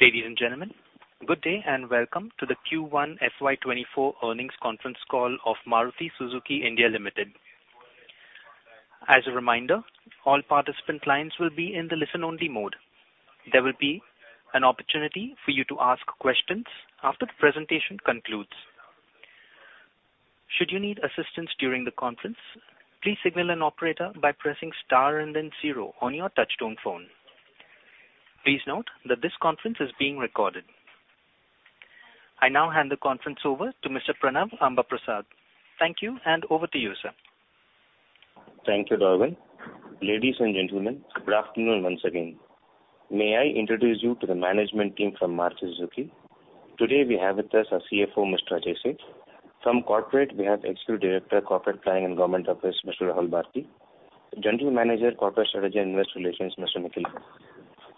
Ladies and gentlemen, good day, and welcome to First Quarter FY24 earnings conference call of Maruti Suzuki India Limited, as a reminder, all participant lines will be in a listen-only mode. There will be an opportunity for you to ask questions after the presentation concludes, should you need assistance during the conference, please contact an operator . I now hand the conference over to Mr. Pranav Ambaprasad. Thank you, and over to you, sir. Thank you, Dorwin. Ladies and gentlemen, good afternoon once again. May I introduce you to the management team from Maruti Suzuki? Today, we have with us our CFO, Mr. Ajay Seth. From corporate, we have Executive Director, Corporate Planning and Government Office, Mr. Rahul Bharti, General Manager, Corporate Strategy and Investor Relations, Mr. Nikhil.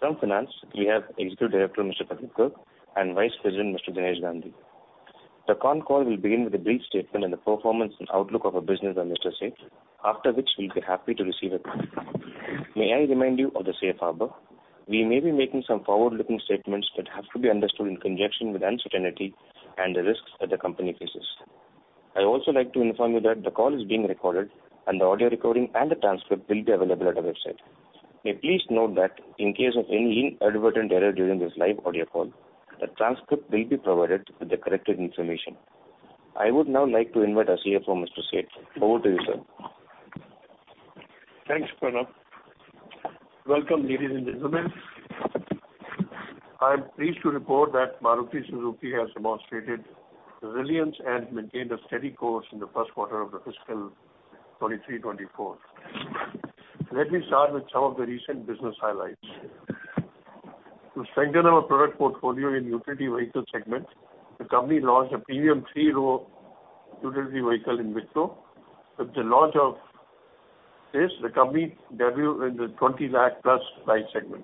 From Finance, we have Executive Director, Mr. Pradeep Garg, and Vice President, Mr. Dinesh Gandhi. The con call will begin with a brief statement on the performance and outlook of our business by Mr. Seth, after which we'll be happy to receive a call. May I remind you of the safe harbor? We may be making some forward-looking statements that have to be understood in conjunction with uncertainty and the risks that the company faces. I also like to inform you that the call is being recorded, and the audio recording and the transcript will be available at our website. May please note that in case of any inadvertent error during this live audio call, the transcript will be provided with the corrected information. I would now like to invite our CFO, Mr. Seth. Over to you, sir. Thanks, Pranav. Welcome, ladies and gentlemen. I am pleased to report that Maruti Suzuki has demonstrated resilience and maintained a steady course in the first quarter of the fiscal 2023, 2024. Let me start with some of the recent business highlights. To strengthen our product portfolio in utility vehicle segment, the company launched a premium three-row utility vehicle Invicto. With the launch of this, the company debuted in the 20 lakh plus price segment.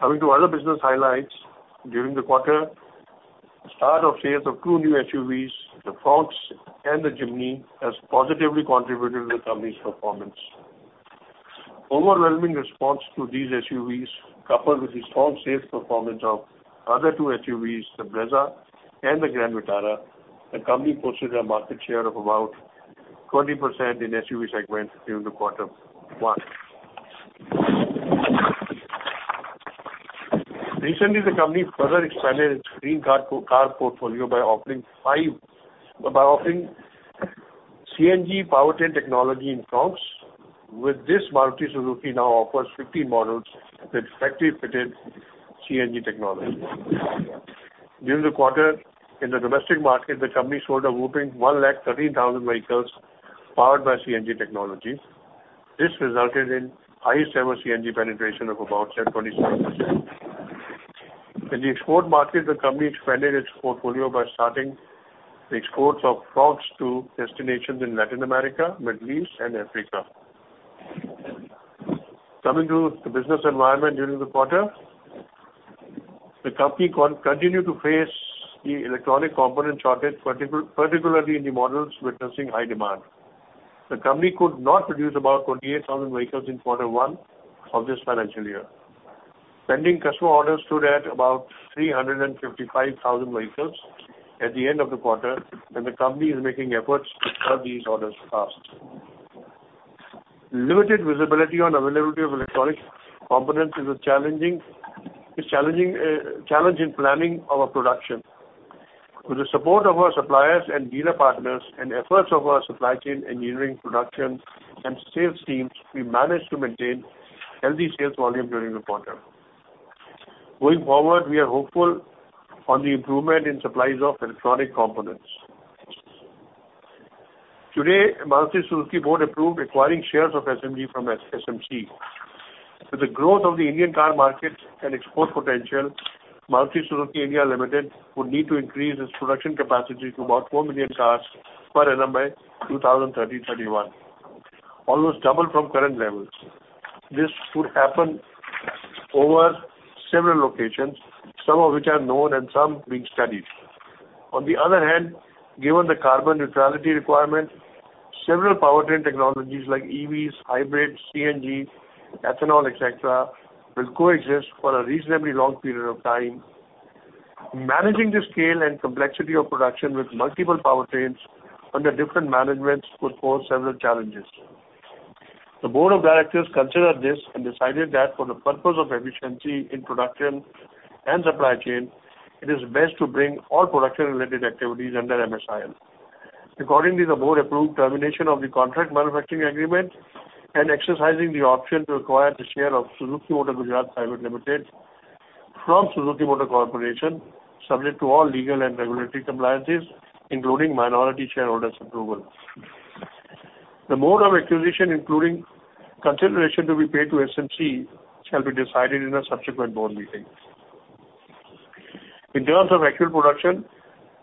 Coming to other business highlights, during the quarter, start of sales of two new SUVs, the Fronx and the Jimny, has positively contributed to the company's performance. Overwhelming response to these SUVs, coupled with the strong sales performance of other two SUVs, the Brezza and the Grand Vitara, the company posted a market share of about 20% in SUV segment during the quarter 1. Recently, the company further expanded its green car portfolio by offering CNG powertrain technology in Fronx. With this, Maruti Suzuki now offers 15 models with factory-fitted CNG technology. During the quarter, in the domestic market, the company sold a whopping 113,000 vehicles powered by CNG technology. This resulted in highest-ever CNG penetration of about 27%. In the export market, the company expanded its portfolio by starting the exports of Fronx to destinations in Latin America, Middle East, and Africa. Coming to the business environment during the quarter, the company continued to face the electronic component shortage, particularly in the models witnessing high demand. The company could not produce about 28,000 vehicles in quarter one of this financial year. Pending customer orders stood at about 355,000 vehicles at the end of the quarter, the company is making efforts to serve these orders fast. Limited visibility on availability of electronic components is a challenging challenge in planning our production. With the support of our suppliers and dealer partners and efforts of our supply chain, engineering, production, and sales teams, we managed to maintain healthy sales volume during the quarter. Going forward, we are hopeful on the improvement in supplies of electronic components. Today, Maruti Suzuki Board approved acquiring shares of SMG from SMC. With the growth of the Indian car market and export potential, Maruti Suzuki India Limited would need to increase its production capacity to about 4 million cars per annum by 2030-31, almost double from current levels. This would happen over several locations, some of which are known and some being studied. On the other hand, given the carbon neutrality requirement, several powertrain technologies like EVs, hybrids, CNG, ethanol, et cetera, will coexist for a reasonably long period of time. Managing the scale and complexity of production with multiple powertrains under different managements could pose several challenges. The board of directors considered this and decided that for the purpose of efficiency in production and supply chain, it is best to bring all production-related activities under MSIL. Accordingly, the board approved termination of the contract manufacturing agreement and exercising the option to acquire the share of Suzuki Motor Gujarat Private Limited from Suzuki Motor Corporation, subject to all legal and regulatory compliances, including minority shareholders' approval. The mode of acquisition, including consideration to be paid to SMC, shall be decided in a subsequent board meeting. In terms of actual production,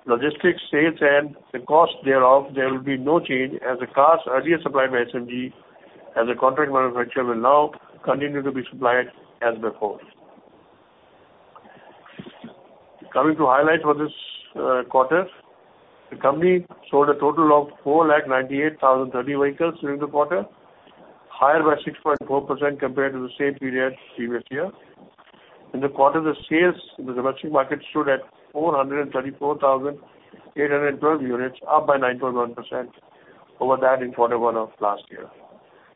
logistics, sales, and the cost thereof, there will be no change, as the cars earlier supplied by SMG as a contract manufacturer will now continue to be supplied as before. Coming to highlight for this quarter, the company sold a total of 498,030 vehicles during the quarter, higher by 6.4% compared to the same period previous year. In the quarter, the sales in the domestic market stood at 434,812 units, up by 9.1% over that in quarter one of last year.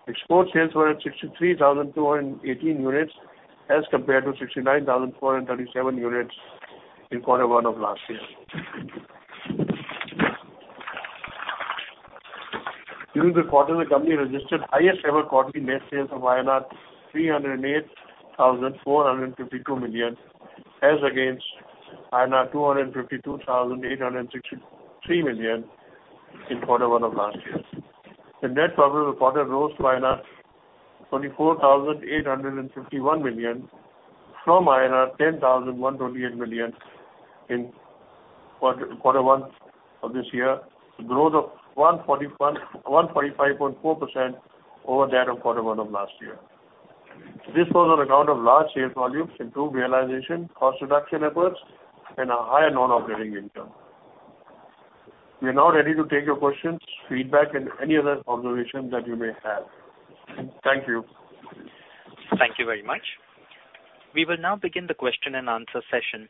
Export sales were at 63,218 units, as compared to 69,437 units in quarter one of last year. During the quarter, the company registered highest ever quarterly net sales of INR 308,452 million, as against INR 252,863 million in quarter one of last year. The net profit for the quarter rose to INR 24,851 million, from INR 10,128 million in quarter one of this year, a growth of 145.4% over that of quarter one of last year. This was on account of large sales volumes, improved realization, cost reduction efforts, and a higher non-operating income. We are now ready to take your questions, feedback, and any other observations that you may have. Thank you. Thank you very much. We will now begin the question and answer session.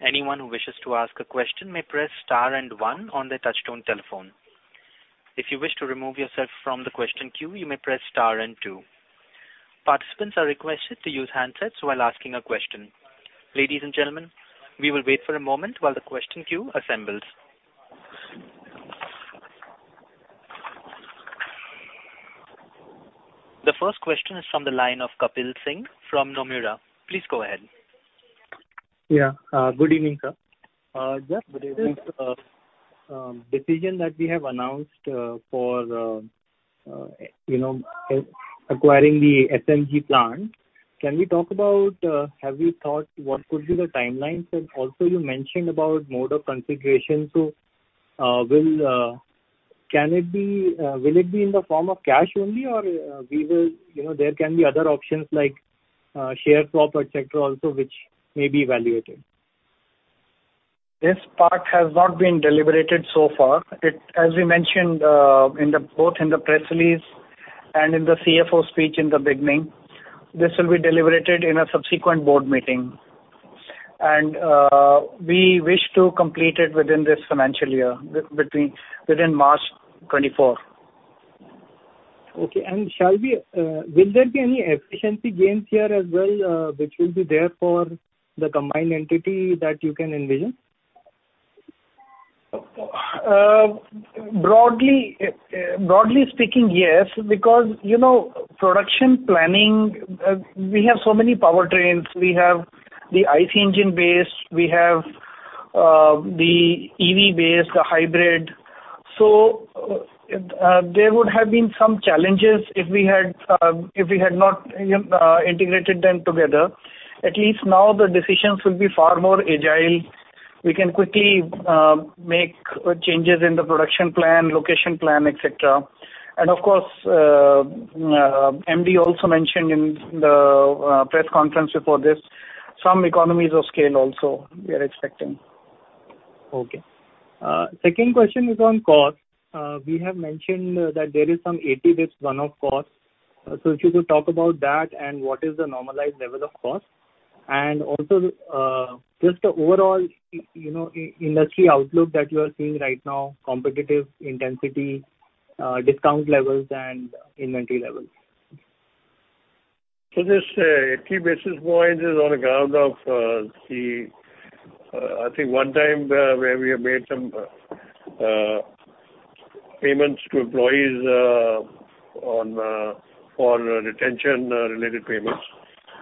Anyone who wishes to ask a question may press star and one on their touchtone telephone. Ladies and gentlemen, we will wait for a moment while the question queue assembles. The first question is from the line of Kapil Singh from Nomura. Please go ahead. Yeah, good evening, sir. Just with this decision that we have announced for, you know, acquiring the SMG plant, can we talk about, have you thought what could be the timelines? Also you mentioned about mode of configuration. Will it be in the form of cash only, or we will, you know, there can be other options like share swap, et cetera, also, which may be evaluated? This part has not been deliberated so far. It, as we mentioned, both in the press release and in the CFO speech in the beginning, this will be deliberated in a subsequent board meeting. We wish to complete it within this financial year, within March 2024. Okay. Shall we, will there be any efficiency gains here as well, which will be there for the combined entity that you can envision? Broadly, broadly speaking, yes, because, you know, production planning, we have so many powertrains. We have the ICE engine base, we have the EV base, the hybrid. There would have been some challenges if we had if we had not integrated them together. At least now the decisions will be far more agile. We can quickly make changes in the production plan, location plan, et cetera. Of course, MD also mentioned in the press conference before this, some economies of scale also we are expecting. Okay. Second question is on cost. We have mentioned that there is some 80 basis one-off cost. If you could talk about that and what is the normalized level of cost? Also, you know, industry outlook that you are seeing right now, competitive intensity, discount levels and inventory levels. This 80 basis points is on account of the I think 1 time where we have made some payments to employees on for retention related payments.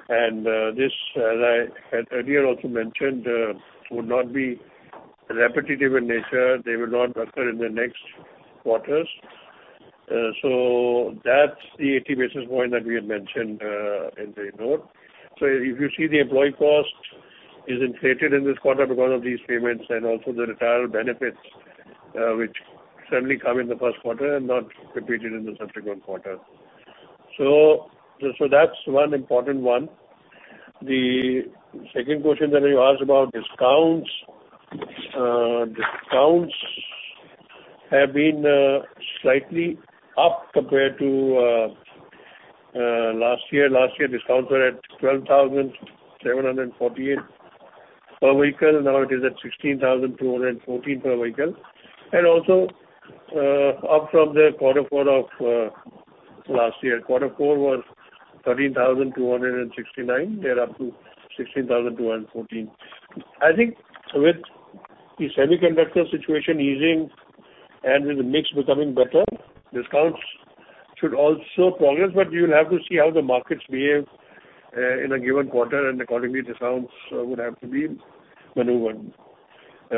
This, as I had earlier also mentioned, would not be repetitive in nature. They will not occur in the next quarters. That's the 80 basis points that we had mentioned in the note. If you see the employee cost is inflated in this quarter because of these payments and also the retirement benefits, which certainly come in the 1st quarter and not repeated in the subsequent quarter. That's 1 important one. The 2nd question that you asked about discounts. Discounts have been slightly up compared to last year. Last year, discounts were at 12,748 per vehicle, now it is at 16,214 per vehicle. Up from the quarter four of last year. Quarter four was 13,269. They're up to 16,214. I think with the semiconductor situation easing and with the mix becoming better, discounts should also progress, but you'll have to see how the markets behave in a given quarter, accordingly, discounts would have to be maneuvered.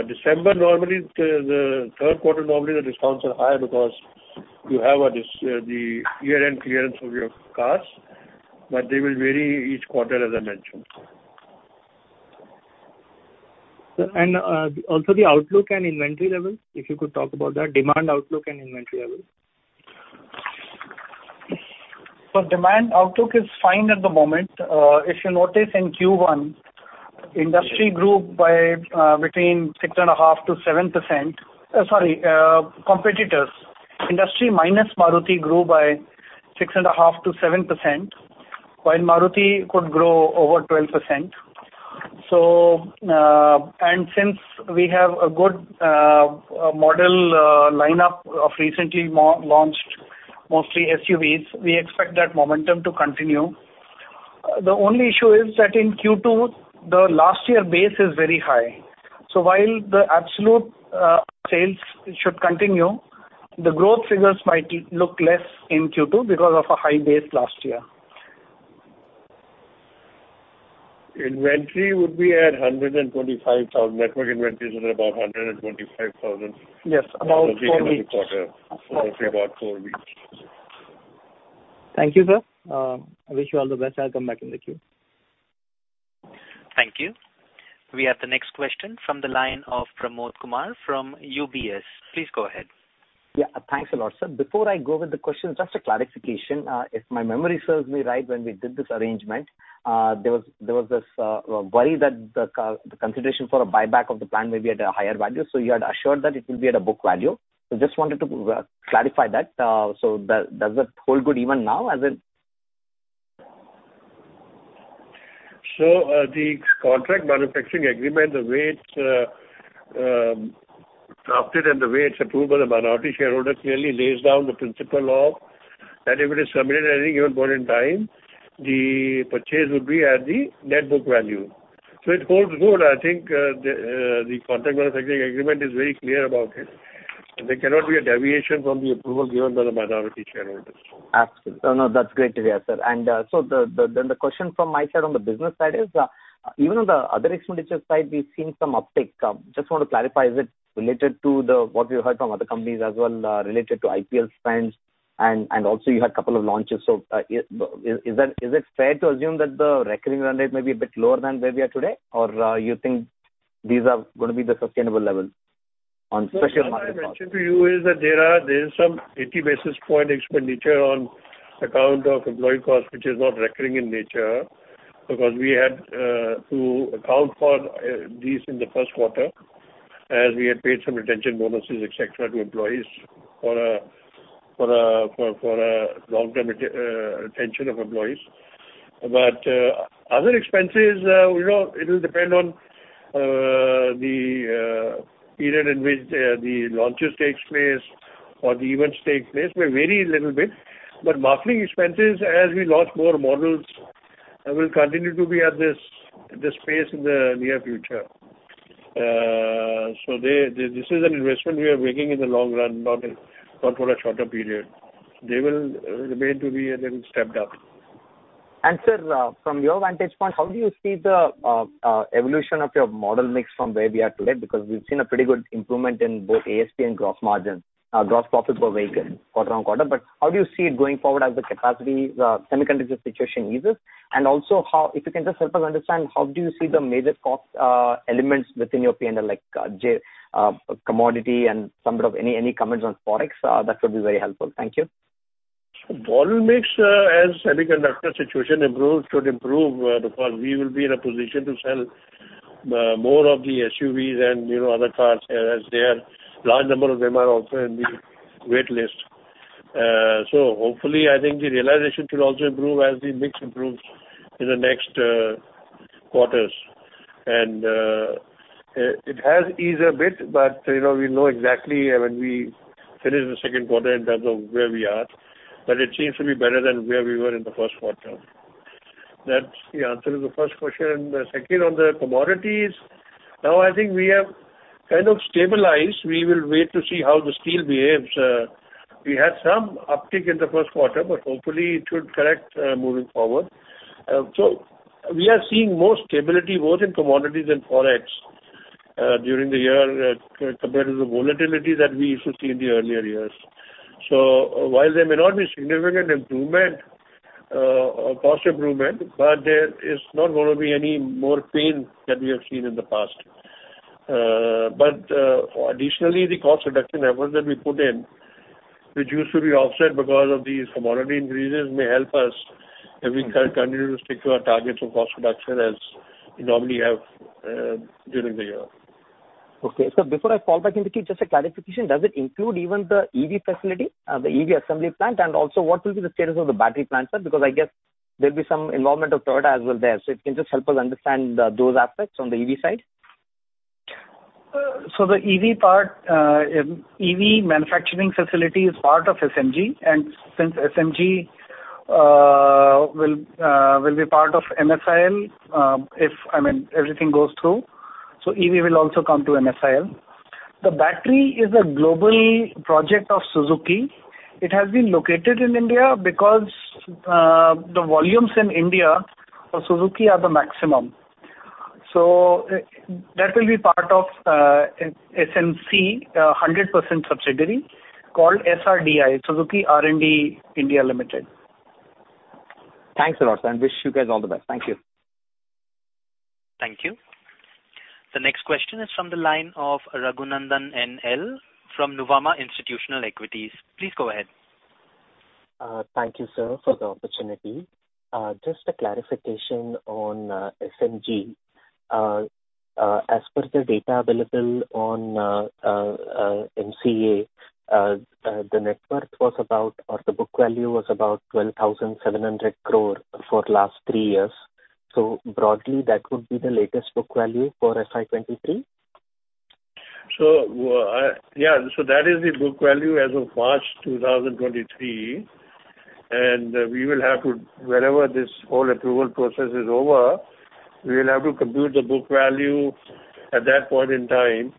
December, normally, the third quarter, normally, the discounts are higher because you have a year-end clearance of your cars, they will vary each quarter, as I mentioned. Sir, also the outlook and inventory level, if you could talk about that, demand outlook and inventory level? ...Demand outlook is fine at the moment. If you notice First Quarter, industry grew by between 6.5%-7%. Sorry, competitors. Industry minus Maruti grew by 6.5%-7%, while Maruti could grow over 12%. And since we have a good model lineup of recently launched, mostly SUVs, we expect that momentum to continue. The only issue is that in Second Quarter, the last year base is very high. While the absolute sales should continue, the growth figures might look less in Second Quarter because of a high base last year. Inventory would be at 125,000, network inventories are about 125,000. Yes, about four weeks. About 4 weeks. Thank you, sir. I wish you all the best. I'll come back in the queue. We have the next question from the line of Pramod Kumar from UBS. Please go ahead. Yeah, thanks a lot, sir. Before I go with the question, just a clarification. If my memory serves me right, when we did this arrangement, there was, there was this worry that the consideration for a buyback of the plant may be at a higher value, so you had assured that it will be at a book value. Just wanted to clarify that. Does, does it hold good even now, as in? The contract manufacturing agreement, the way it's drafted and the way it's approved by the minority shareholder, clearly lays down the principle of, that if it is submitted at any given point in time, the purchase would be at the net book value. It holds good. I think, the contract manufacturing agreement is very clear about it. There cannot be a deviation from the approval given by the minority shareholders. Absolutely. Oh, no, that's great to hear, sir. So the, the, then the question from my side on the business side is, even on the other expenditure side, we've seen some uptick. Just want to clarify, is it related to the, what we heard from other companies as well, related to IPL spends, and, and also you had a couple of launches? Is, is that, is it fair to assume that the recurring run rate may be a bit lower than where we are today? You think these are going to be the sustainable levels on special- I mentioned to you is that there are, there is some 80 basis point expenditure on account of employee costs, which is not recurring in nature. We had to account for these in the first quarter, as we had paid some retention bonuses, et cetera, to employees for long-term retention of employees. Other expenses, you know, it will depend on the period in which the launches takes place or the events take place, may vary a little bit. Marketing expenses, as we launch more models, will continue to be at this, this pace in the near future. This is an investment we are making in the long run, not in, not for a shorter period. They will remain to be a little stepped up. Sir, from your vantage point, how do you see the evolution of your model mix from where we are today? Because we've seen a pretty good improvement in both ASP and gross margins, gross profit per vehicle quarter on quarter. How do you see it going forward as the capacity, semiconductor situation eases? Also how-- if you can just help us understand, how do you see the major cost elements within your PNL, like commodity and some bit of any, any comments on Forex, that would be very helpful. Thank you. Volume mix, as semiconductor situation improves, should improve because we will be in a position to sell more of the SUVs and, you know, other cars, as their large number of them are also in the wait list. Hopefully, I think the realization should also improve as the mix improves in the next quarters. It, it has eased a bit, but, you know, we know exactly when we finish the second quarter in terms of where we are, but it seems to be better than where we were in the first quarter. That's the answer to the first question. Second, on the commodities, now I think we have kind of stabilized. We will wait to see how the steel behaves. We had some uptick in the first quarter, but hopefully it should correct moving forward. We are seeing more stability both in commodities and Forex, during the year, compared to the volatility that we used to see in the earlier years. While there may not be significant improvement, or cost improvement, but there is not going to be any more pain than we have seen in the past. Additionally, the cost reduction efforts that we put in, which used to be offset because of these commodity increases, may help us as we continue to stick to our targets of cost reduction as we normally have, during the year. Okay. before I fall back into queue, just a clarification, does it include even the EV facility, the EV assembly plant? What will be the status of the battery plant, sir? Because I guess there'll be some involvement of Toyota as well there. So if you can just help us understand, those aspects from the EV side. The EV part, EV manufacturing facility is part of SMG, and since SMG will be part of MSIL, if, I mean, everything goes through, EV will also come to MSIL. The battery is a global project of Suzuki. It has been located in India because the volumes in India for Suzuki are the maximum. That will be part of SMC, a 100% subsidiary called SRDI, Suzuki R&D Center India Private Limited. Thanks a lot, sir. I wish you guys all the best. Thank you. The next question is from the line of Raghunandhan NL, from Nuvama Institutional Equities. Please go ahead. Thank you, sir, for the opportunity. Just a clarification on SMG. As per the data available on MCA, the net worth was about, or the book value was about 12,700 crore for last three years. Broadly, that would be the latest book value for FY 2023? Yeah, so that is the book value as of March 2023, and we will have to, whenever this whole approval process is over, we will have to compute the book value at that point in time.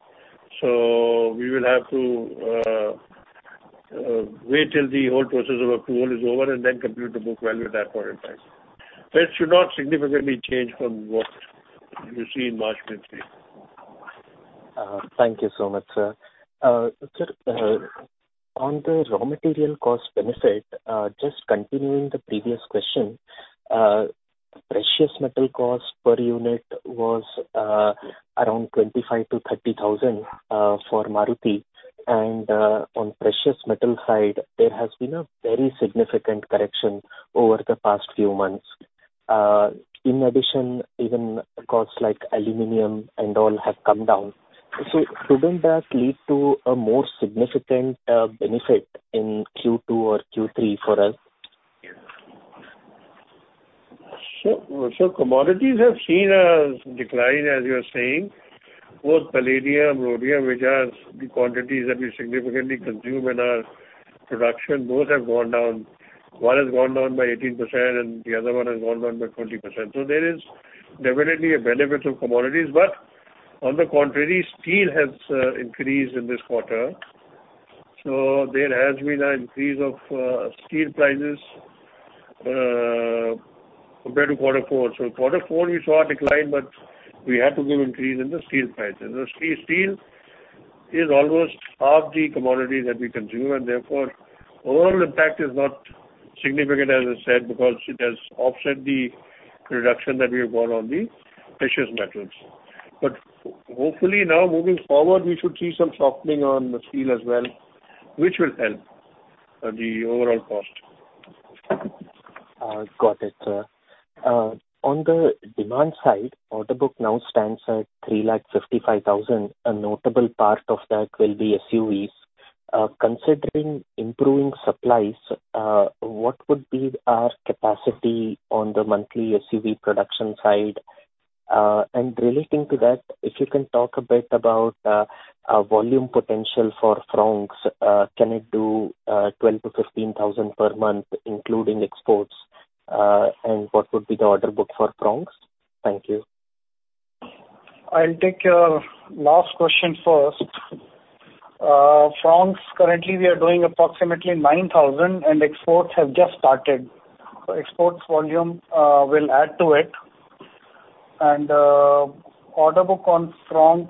We will have to wait till the whole process of approval is over and then compute the book value at that point in time. That should not significantly change from what you see in March 2023. Thank you so much, sir. Sir, on the raw material cost benefit, just continuing the previous question, precious metal cost per unit was around 25,000-30,000 for Maruti, and on precious metal side, there has been a very significant correction over the past few months. In addition, even costs like aluminum and all have come down. Shouldn't that lead to a more significant benefit in Second Quarter or Third Quarter for us? Commodities have seen a decline, as you are saying, both palladium, rhodium, which are the quantities that we significantly consume in our production, those have gone down. One has gone down by 18% and the other one has gone down by 20%. There is definitely a benefit of commodities, but on the contrary, steel has increased in this quarter. There has been an increase of steel prices compared to quarter four. The steel is almost half the commodity that we consume, and therefore, overall impact is not significant, as I said, because it has offset the reduction that we have got on the precious metals. Hopefully, now moving forward, we should see some softening on the steel as well, which will help the overall cost. Got it, sir. On the demand side, order book now stands at 355,000. A notable part of that will be SUVs. Considering improving supplies, what would be our capacity on the monthly SUV production side? Relating to that, if you can talk a bit about a volume potential for Fronx, can it do 12,000-15,000 per month, including exports? What would be the order book for Fronx? Thank you. I'll take your last question first. Fronx, currently, we are doing approximately 9,000, and exports have just started. Exports volume will add to it. Order book on Fronx,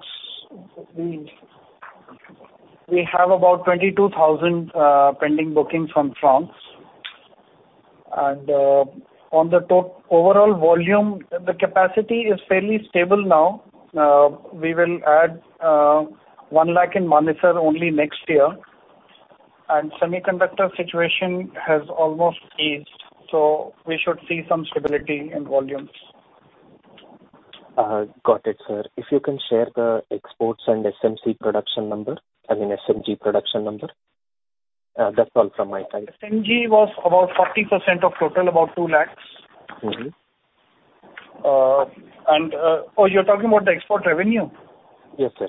we, we have about 22,000 pending bookings from Fronx. On the overall volume, the capacity is fairly stable now. We will add 1 lakh in Manesar only next year, and semiconductor situation has almost eased, so we should see some stability in volumes. Got it, sir. If you can share the exports and SMC production number, I mean, SMG production number. That's all from my side. SMG was about 40% of total, about 2 lakh. Mm-hmm. Oh, you're talking about the export revenue? Yes, sir.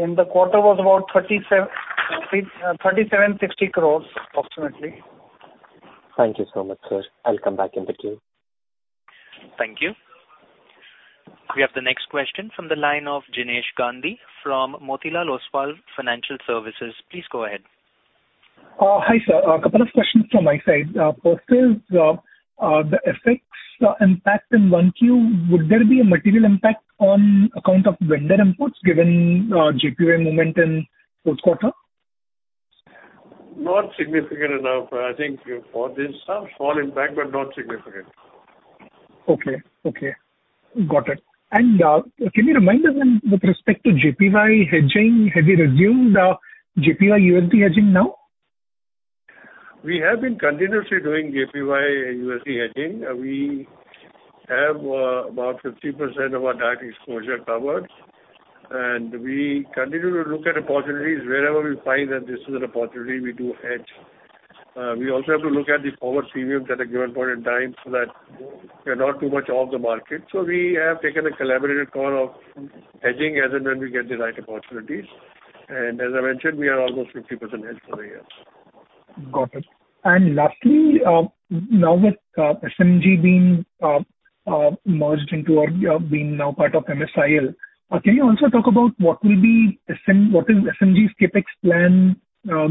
In the quarter, it was about 3,750 crore, approximately. Thank you so much, sir. I'll come back in the queue. Thank you. We have the next question from the line of Jinesh Gandhi from Motilal Oswal Financial Services. Please go ahead. Hi, sir. A couple of questions from my side. First is, the effects impact in 1Q, would there be a material impact on account of vendor inputs, given JPY moment in fourth quarter? Not significant enough. I think for this, a small impact, but not significant. Okay, okay. Got it. Can you remind us with respect to JPY hedging, have you resumed, JPY USD hedging now? We have been continuously doing JPY USD hedging. We have, about 50% of our direct exposure covered, we continue to look at opportunities. Wherever we find that this is an opportunity, we do hedge. We also have to look at the forward premium at a given point in time so that we are not too much off the market. We have taken a collaborated call of hedging as and when we get the right opportunities. As I mentioned, we are almost 50% hedged for a year. Got it. Lastly, now with SMG being merged into or being now part of MSIL, can you also talk about what is SMG's CapEx plan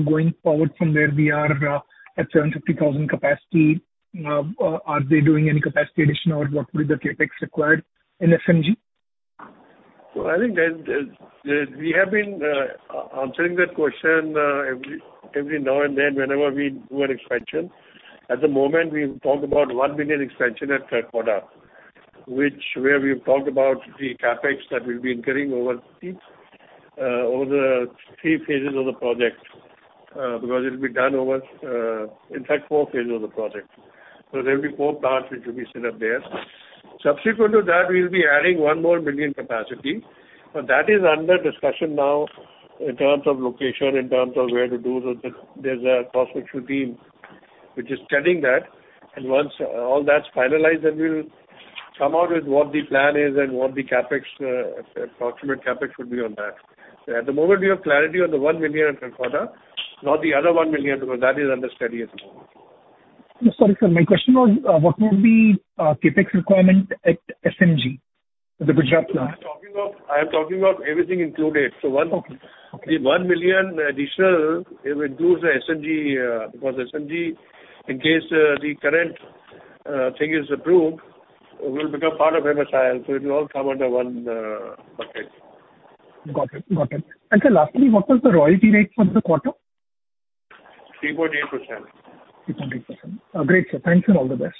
going forward from where we are at 75,000 capacity? Are they doing any capacity addition or what will be the CapEx required in SMG? I think there, there, there, we have been answering that question every, every now and then whenever we do an expansion. At the moment, we've talked about 1 million expansion at third quarter, which where we've talked about the CapEx that we'll be incurring over the 3 phases of the project, because it'll be done over, in fact, 4 phases of the project. There'll be 4 parts which will be set up there. Subsequent to that, we'll be adding 1 more million capacity, but that is under discussion now in terms of location, in terms of where to do that. There's a cross-functional team which is studying that, and once all that's finalized, then we'll come out with what the plan is and what the CapEx, approximate CapEx would be on that. At the moment, we have clarity on the 1 million at third quarter, not the other 1 million, because that is under study at the moment. Sorry, sir, my question was, what will be, CapEx requirement at SMG for the Gujarat plant? I'm talking about, I'm talking about everything included. Okay, okay. 1, the 1 million additional, it will include the SNG, because SNG, in case, the current thing is approved, will become part of MSIL, so it will all come under 1 bucket. Got it. Got it. Sir, lastly, what was the royalty rate for the quarter? 3.8%. 3.8%. Great, sir. Thank you, and all the best.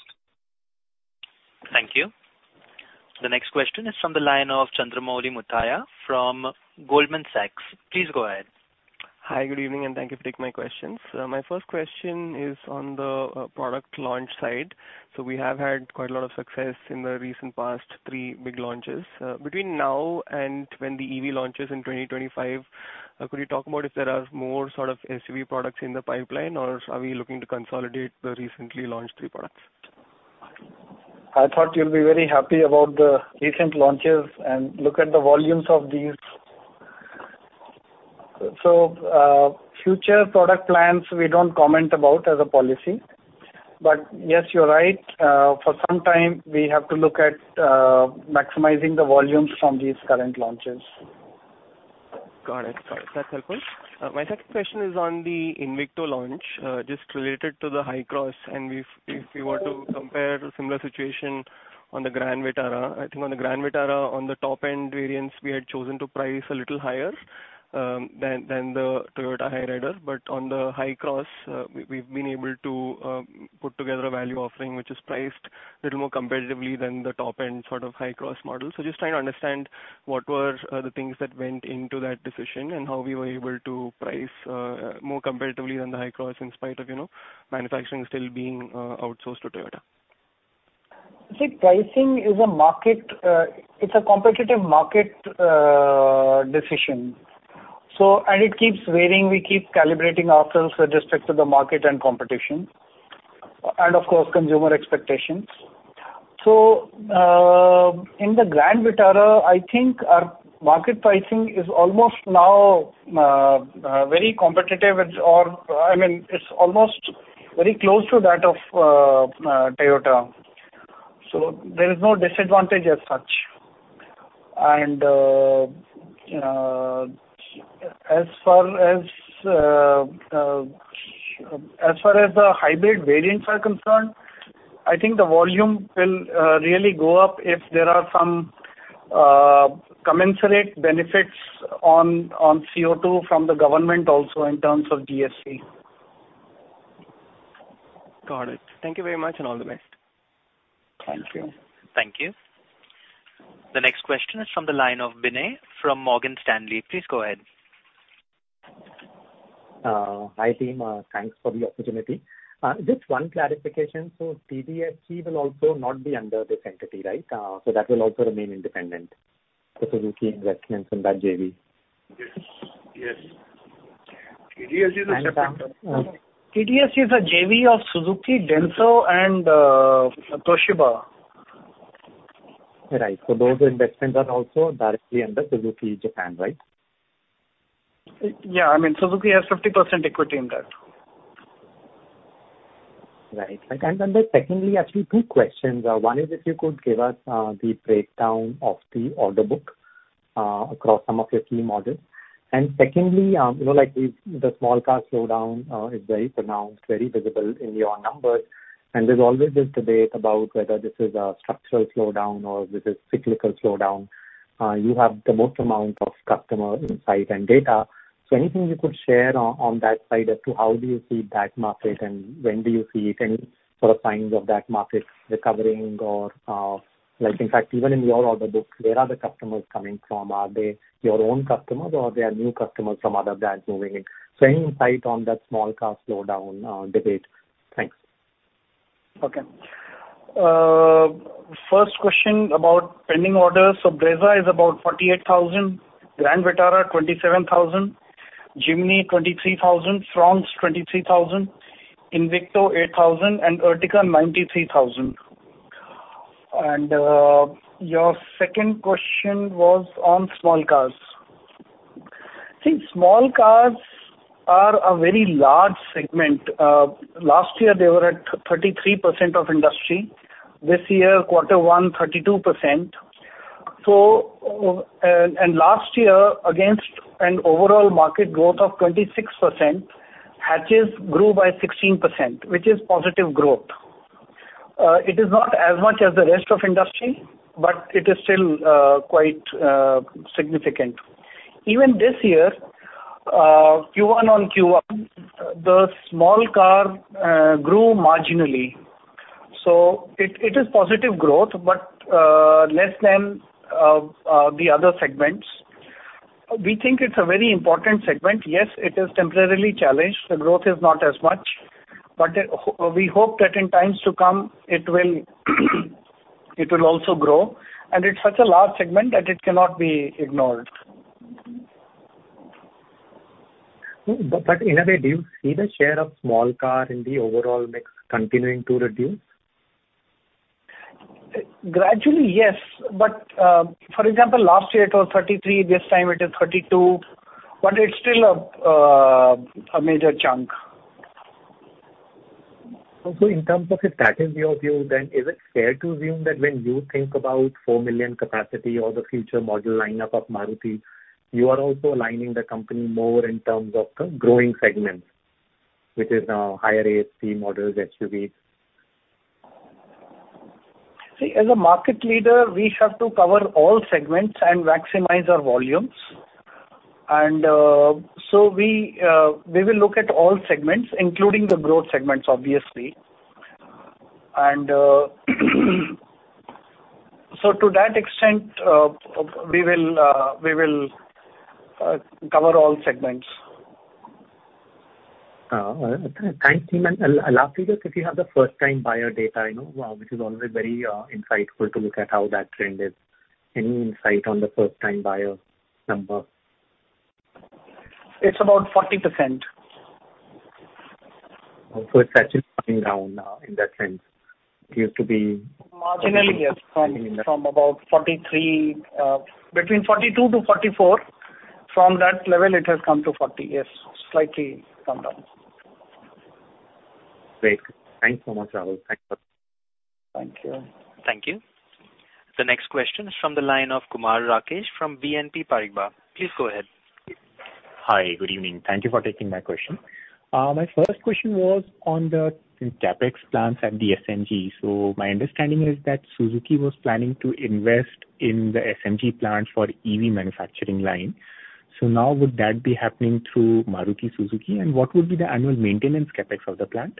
Thank you. The next question is from the line of Chandramouli Muthiah from Goldman Sachs. Please go ahead. Hi, good evening, and thank you for taking my questions. My first question is on the product launch side. We have had quite a lot of success in the recent past, 3 big launches. Between now and when the EV launches in 2025, could you talk about if there are more sort of SUV products in the pipeline, or are we looking to consolidate the recently launched 3 products? I thought you'll be very happy about the recent launches and look at the volumes of these. Future product plans, we don't comment about as a policy, but yes, you're right. For some time, we have to look at, maximizing the volumes from these current launches. Got it. Got it. That's helpful. My second question is on the Invicto launch, just related to the Hycross, and if, if we were to compare a similar situation on the Grand Vitara, I think on the Grand Vitara, on the top end variants, we had chosen to price a little higher than, than the Toyota Hyryder. On the Hycross, we, we've been able to put together a value offering, which is priced a little more competitively than the top-end sort of Hycross model. Just trying to understand what were the things that went into that decision, and how we were able to price more competitively than the Hycross, in spite of, you know, manufacturing still being outsourced to Toyota? See, pricing is a market, it's a competitive market, decision. It keeps varying. We keep calibrating ourselves with respect to the market and competition, and of course, consumer expectations. In the Grand Vitara, I think our market pricing is almost now, very competitive with or... I mean, it's almost very close to that of, Toyota. There is no disadvantage as such. As far as, as far as the hybrid variants are concerned, I think the volume will really go up if there are some, commensurate benefits on, on CO2 from the government also in terms of GST. Got it. Thank you very much, and all the best. Thank you. Thank you. The next question is from the line of Vinay from Morgan Stanley. Please go ahead. Hi, team. Thanks for the opportunity. Just one clarification. TDS will also not be under this entity, right? That will also remain independent, the Suzuki investments in that JV? Yes. Yes. TDS is a separate- Uh- TDS is a JV of Suzuki, Denso and Toshiba. Right. those investments are also directly under Suzuki Japan, right? Yeah, I mean, Suzuki has 50% equity in that. Right. Then secondly, actually, 2 questions. 1 is if you could give us the breakdown of the order book across some of your key models. Secondly, you know, like the, the small car slowdown is very pronounced, very visible in your numbers, and there's always this debate about whether this is a structural slowdown or this is cyclical slowdown. You have the most amount of customer insight and data. Anything you could share on, on that side as to how do you see that market and when do you see any sort of signs of that market recovering? Like in fact, even in your order books, where are the customers coming from? Are they your own customers, or they are new customers from other brands moving in? Any insight on that small car slowdown debate? Thanks. Okay. First question about pending orders. Brezza is about 48,000, Grand Vitara, 27,000, Jimny, 23,000, Fronx, 23,000, Invicto, 8,000, and Ertiga, 93,000. Your second question was on small cars. See, small cars are a very large segment. Last year, they were at 33% of industry. This First Quarter, 32%. Last year, against an overall market growth of 26%, hatches grew by 16%, which is positive growth. It is not as much as the rest of industry, but it is still quite significant. Even this First Quarter, the small car grew marginally. It, it is positive growth, but less than the other segments. We think it's a very important segment. Yes, it is temporarily challenged. The growth is not as much, but, we hope that in times to come, it will, it will also grow, and it's such a large segment that it cannot be ignored. In a way, do you see the share of small car in the overall mix continuing to reduce? Gradually, yes. For example, last year it was 33, this time it is 32, but it's still a, a major chunk. In terms of the strategy of you, then, is it fair to assume that when you think about 4 million capacity or the future model lineup of Maruti, you are also aligning the company more in terms of the growing segments, which is now higher ASP models, SUVs? See, as a market leader, we have to cover all segments and maximize our volumes. We will look at all segments, including the growth segments, obviously. To that extent, we will cover all segments. Thanks, team. I'll ask you this, if you have the first time buyer data, you know, which is always very insightful to look at how that trend is. Any insight on the first time buyer number? It's about 40%. It's actually coming down now in that sense. It used to be- Marginally, yes, from, from about 43, between 42 to 44. From that level, it has come to 40. Yes, slightly come down. Great. Thanks so much, Rahul. Thanks. Thank you. Thank you. The next question is from the line of Kumar Rakesh from BNP Paribas. Please go ahead. Hi, good evening. Thank you for taking my question. My first question was on the CapEx plans and the SNG. My understanding is that Suzuki was planning to invest in the SNG plant for EV manufacturing line. Now would that be happening through Maruti Suzuki, and what would be the annual maintenance CapEx of the plant?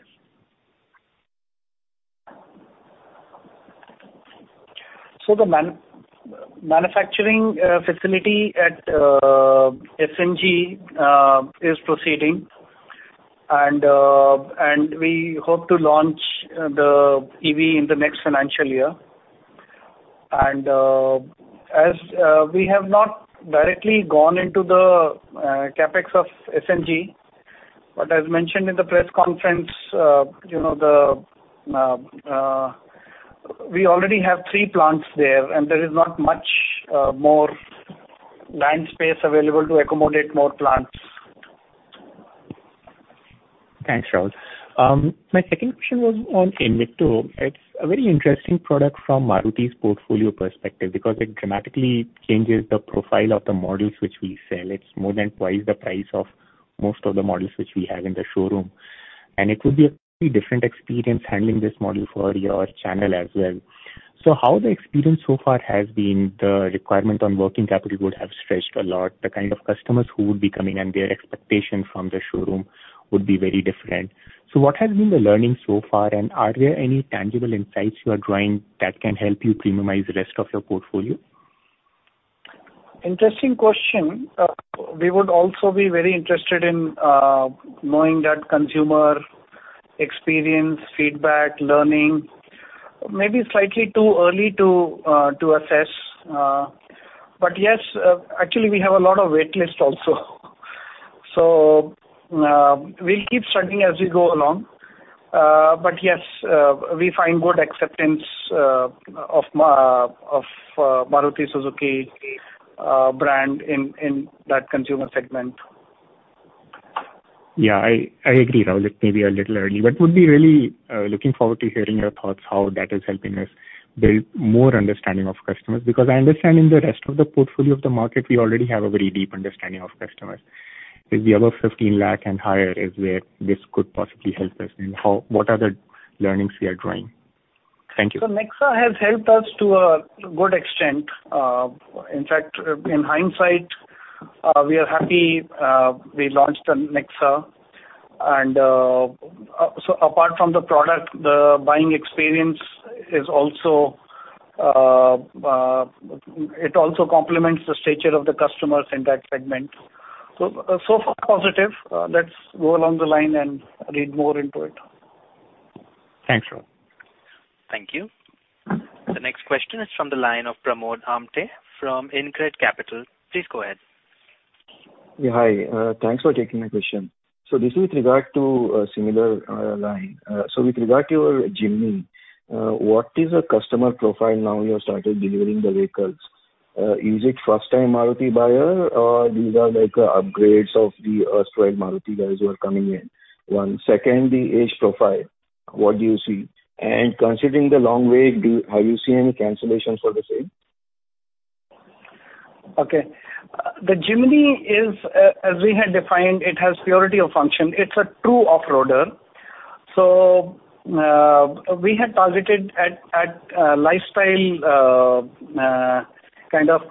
The manufacturing facility at SNG is proceeding, and we hope to launch the EV in the next financial year. As we have not directly gone into the CapEx of SNG, but as mentioned in the press conference, you know, we already have three plants there, and there is not much more land space available to accommodate more plants. Thanks, Rahul. My second question was on Invicto. It's a very interesting product from Maruti's portfolio perspective because it dramatically changes the profile of the models which we sell. It's more than 2x the price of most of the models which we have in the showroom, and it would be a pretty different experience handling this model for your channel as well. How the experience so far has been? The requirement on working capital would have stretched a lot. The kind of customers who would be coming and their expectation from the showroom would be very different. What has been the learning so far, and are there any tangible insights you are drawing that can help you premiumize the rest of your portfolio? Interesting question. We would also be very interested in knowing that consumer experience, feedback, learning. Maybe slightly too early to assess, yes, actually, we have a lot of wait list also. We'll keep studying as we go along. Yes, we find good acceptance of Maruti Suzuki brand in that consumer segment. Yeah, I, I agree, Rahul. It may be a little early, but would be really looking forward to hearing your thoughts, how that is helping us build more understanding of customers, because I understand in the rest of the portfolio of the market, we already have a very deep understanding of customers. Is the above 15 lakh and higher is where this could possibly help us, and how, what are the learnings we are drawing? Thank you. Nexa has helped us to a good extent. In fact, in hindsight, we are happy, we launched the Nexa. Apart from the product, the buying experience is also, it also complements the stature of the customers in that segment. So far positive. Let's go along the line and read more into it. Thanks, Rahul. Thank you. The next question is from the line of Pramod Amthe from Incred Capital. Please go ahead. Yeah, hi. Thanks for taking my question. This is with regard to a similar line. With regard to your Jimny, what is the customer profile now you have started delivering the vehicles? Is it first-time Maruti buyer, or these are like upgrades of the Ertiga Maruti guys who are coming in? One second, the age profile, what do you see? Considering the long wait, have you seen any cancellations for the same? Okay. The Jimny is, as we had defined, it has purity of function. It's a true off-roader. We had targeted at lifestyle kind of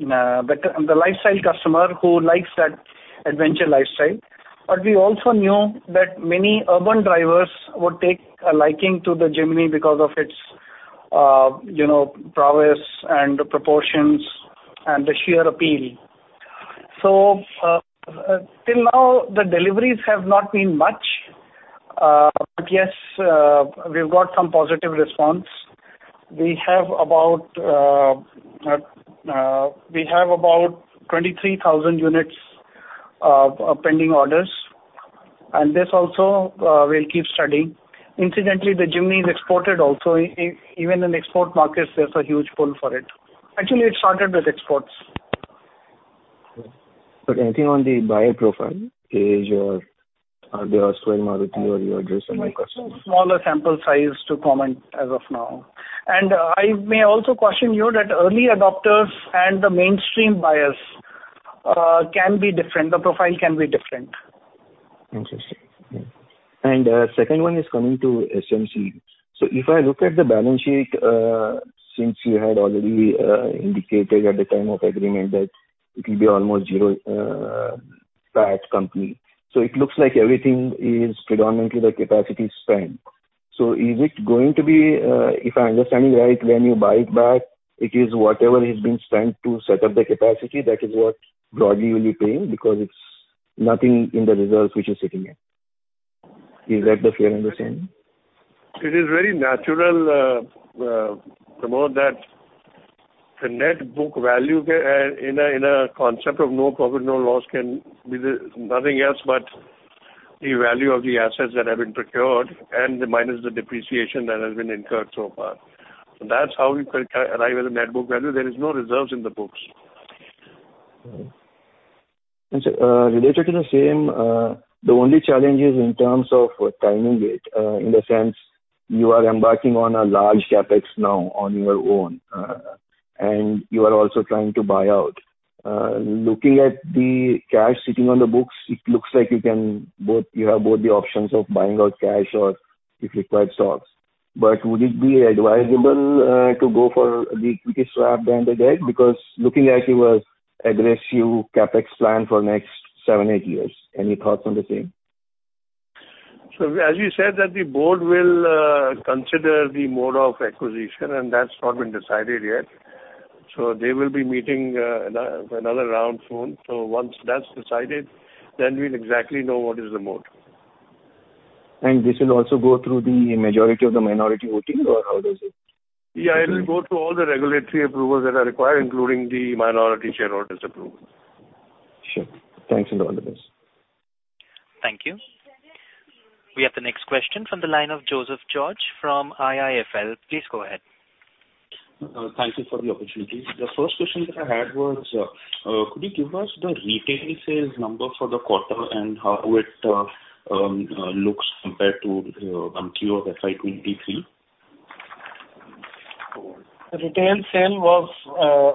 the lifestyle customer who likes that adventure lifestyle. We also knew that many urban drivers would take a liking to the Jimny because of its, you know, prowess and the proportions and the sheer appeal. Till now, the deliveries have not been much. But yes, we've got some positive response. We have about we have about 23,000 units of pending orders, and this also we'll keep studying. Incidentally, the Jimny is exported also. Even in export markets, there's a huge pull for it. Actually, it started with exports. Anything on the buyer profile, age, or are they are still Maruti, or you address any customer? Smaller sample size to comment as of now. I may also caution you that early adopters and the mainstream buyers can be different. The profile can be different. Interesting. Yeah. Second one is coming to SMC. If I look at the balance sheet, since you had already indicated at the time of agreement that it will be almost zero fat company, so it looks like everything is predominantly the capacity spent. Is it going to be, if I understand right, when you buy it back, it is whatever has been spent to set up the capacity, that is what broadly you'll be paying, because it's nothing in the results which is sitting here. Is that the fair understanding? It is very natural, Pramod, that the net book value, in a, in a concept of no profit, no loss, can be the nothing else but the value of the assets that have been procured and the minus the depreciation that has been incurred so far. That's how we can arrive at the net book value. There is no reserves in the books. Related to the same, the only challenge is in terms of timing it, in the sense you are embarking on a large CapEx now on your own, and you are also trying to buy out. Looking at the cash sitting on the books, it looks like you have both the options of buying out cash or, if required, stocks. Would it be advisable to go for the equity swap than the debt? Looking at your aggressive CapEx plan for next seven, eight years. Any thoughts on the same? As you said, that the board will consider the mode of acquisition, and that's not been decided yet. They will be meeting another round soon. Once that's decided, then we'll exactly know what is the mode. This will also go through the majority of the minority voting, or how does it? Yeah, it will go through all the regulatory approvals that are required, including the minority shareholders approval. Sure. Thanks a lot for this. Thank you. We have the next question from the line of Joseph George from IIFL. Please go ahead. Thank you for the opportunity. The first question that I had was, could you give us the retail sales number for the quarter and how it looks compared to Q of FY 2023? The retail sale was,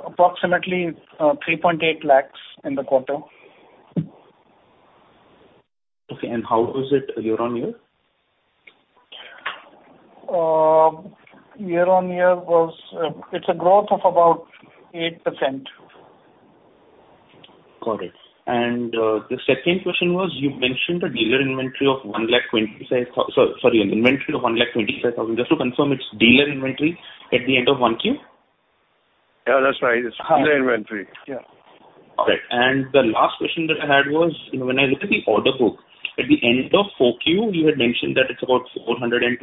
approximately, 3.8 lakhs in the quarter. Okay, how was it year-on-year? Year on year was, it's a growth of about 8%. Got it. The second question was, you mentioned a dealer inventory of 125,000, sorry, an inventory of 125,000. Just to confirm, it's dealer inventory at the end of 1 Q? Yeah, that's right. It's dealer inventory. Yeah. Okay. The last question that I had was, you know, when I look at the order book, at the end of 4Q, you had mentioned that it's about 412,000.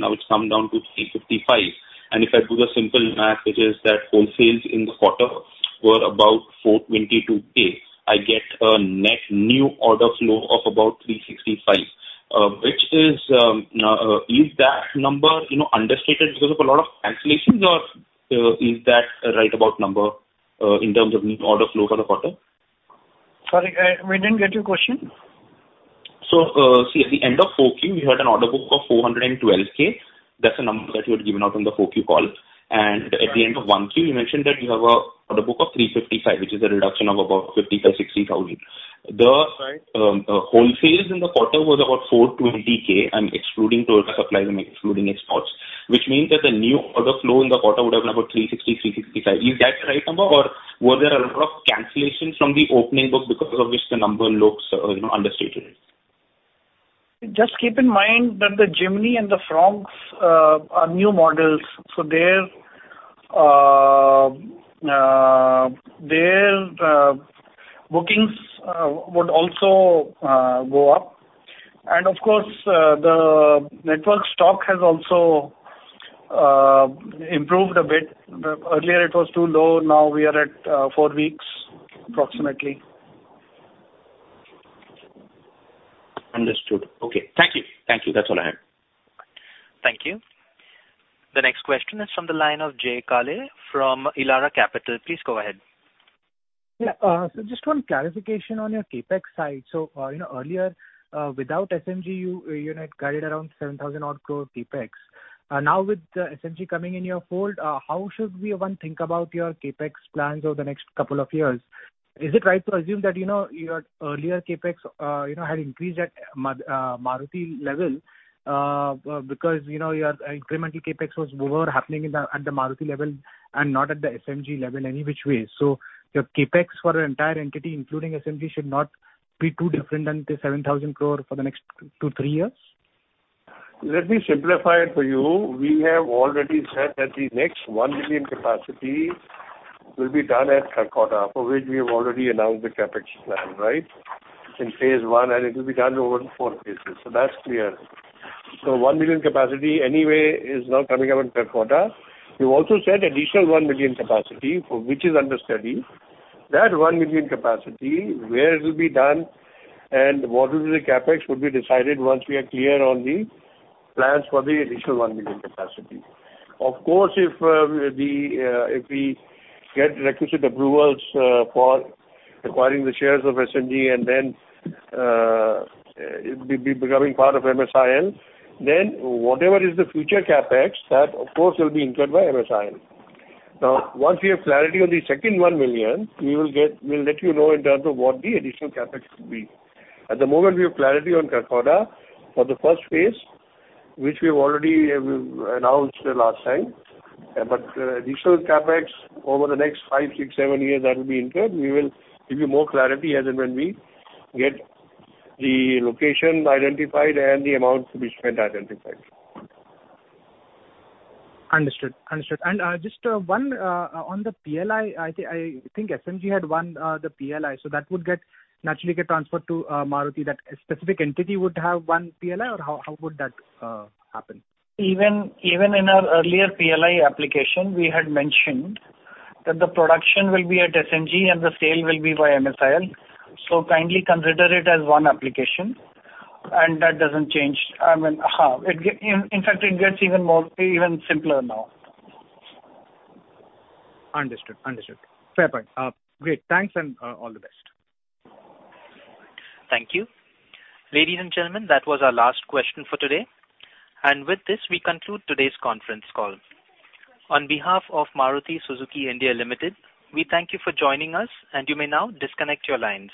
Now it's come down to 355,000. If I do the simple math, which is that whole sales in the quarter were about 422K, I get a net new order flow of about 365,000. Which is, is that number, you know, understated because of a lot of cancellations, or, is that a right about number in terms of new order flow for the quarter? Sorry, we didn't get your question. See, at the end of 4 Q, you had an order book of 412K. That's a number that you had given out on the 4 Q call. At the end of 1 Q, you mentioned that you have an order book of 355, which is a reduction of about 50,000-60,000. Right. The whole sales in the quarter was about 420K, I'm excluding Toyota supplies and excluding exports, which means that the new order flow in the quarter would have been about 360, 365. Is that the right number, or were there a lot of cancellations from the opening book because of which the number looks, you know, understated? Just keep in mind that the Jimny and the Fronx are new models, so their bookings would also go up. Of course, the network stock has also improved a bit. Earlier, it was too low, now we are at 4 weeks, approximately. Understood. Okay. Thank you. Thank you. That's all I have. Thank you. The next question is from the line of Jay Kale from Elara Capital. Please go ahead. Yeah, just one clarification on your CapEx side. You know, earlier, without SMG, you, you had guided around 7,000 crore CapEx. With SMG coming in your fold, how should we, one, think about your CapEx plans over the next couple of years? Is it right to assume that, you know, your earlier CapEx, you know, had increased at Maruti level, because, you know, your incremental CapEx was more happening in the, at the Maruti level and not at the SMG level, any which way. Your CapEx for the entire entity, including SMG, should not be too different than the 7,000 crore for the next 2-3 years? Let me simplify it for you. We have already said that the next 1 million capacity will be done at Kharkhoda, for which we have already announced the CapEx plan, right? It's in phase 1, and it will be done over 4 phases. That's clear. 1 million capacity anyway is now coming up in Kolkata. We've also said additional 1 million capacity, for which is under study. That 1 million capacity, where it will be done and what will be the CapEx, would be decided once we are clear on the plans for the additional 1 million capacity. Of course, if we get requisite approvals for acquiring the shares of SMG, and then it be becoming part of MSIL, then whatever is the future CapEx, that, of course, will be incurred by MSIL. Once we have clarity on the second 1 million, we'll let you know in terms of what the additional CapEx could be. At the moment, we have clarity on Kolkata for the first phase, which we have already announced the last time. Additional CapEx over the next five, six, seven years, that will be incurred, we will give you more clarity as and when we get the location identified and the amounts to be spent identified. Understood. Understood. Just 1 on the PLI, SMG had won the PLI, so that would get, naturally get transferred to Maruti. That specific entity would have 1 PLI, or how, how would that happen? Even, even in our earlier PLI application, we had mentioned that the production will be at SMG and the sale will be by MSIL. Kindly consider it as one application. That doesn't change. I mean, in fact, it gets even more, even simpler now. Understood. Understood. Fair point. Great. Thanks, and, all the best. Thank you. Ladies and gentlemen, that was our last question for today. With this, we conclude today's conference call. On behalf of Maruti Suzuki India Limited, we thank you for joining us, and you may now disconnect your lines.